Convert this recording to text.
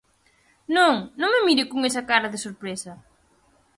Non, non me mire con esa cara de sorpresa.